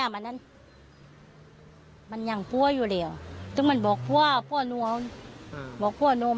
บอกพ่อหนูต้องแม้สาปิด